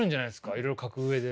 いろいろ描く上で。